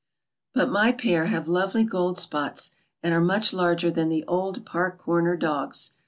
But my pair have lovely gold spots and are much larger than the old Park Comer dogs.